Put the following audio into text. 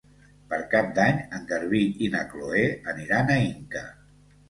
Per Cap d'Any en Garbí i na Chloé aniran a Inca.